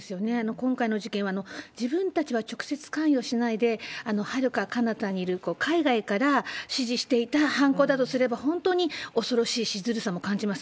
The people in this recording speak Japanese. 今回の事件は、自分たちは直接関与しないで、はるかかなたにいる海外から指示していた犯行だとすれば、本当に恐ろしいし、ずるさも感じます。